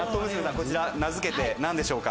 こちら名付けて何でしょうか？